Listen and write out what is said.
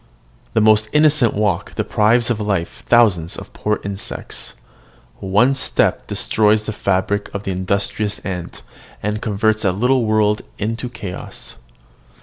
The most innocent walk deprives of life thousands of poor insects: one step destroys the fabric of the industrious ant, and converts a little world into chaos.